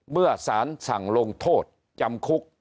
เมื่อสารสั่งลงโทษจำคุก